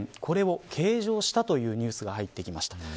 これを計上したというニュースが入りました。